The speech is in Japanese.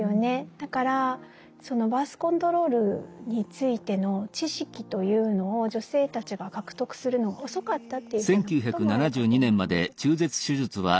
だからそのバース・コントロールについての知識というのを女性たちが獲得するのが遅かったというふうなこともあるかと思います。